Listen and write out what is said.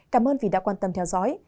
cảm ơn vì đã quan tâm theo dõi